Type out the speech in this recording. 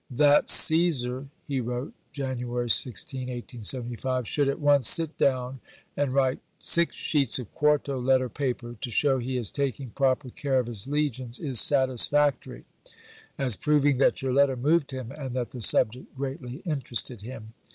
"That Caesar," he wrote (Jan. 16, 1875), "should at once sit down and write six sheets of quarto letter paper, to show he is taking proper care of his Legions is satisfactory; as proving that your letter moved him and that the subject greatly interested him."